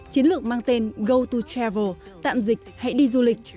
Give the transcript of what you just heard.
chiến lược mang tên go to travel tạm dịch hãy đi du lịch